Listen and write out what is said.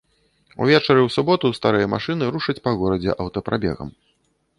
Увечары ў суботу старыя машыны рушаць па горадзе аўтапрабегам.